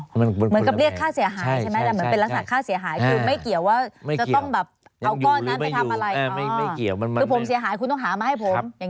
เหมือนกับเรียกเงินค่าเสียหาย